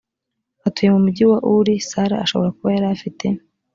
atuye mu mugi wa uri sara ashobora kuba yari afite